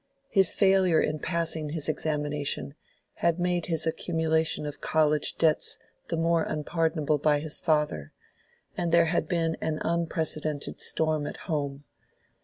His failure in passing his examination, had made his accumulation of college debts the more unpardonable by his father, and there had been an unprecedented storm at home.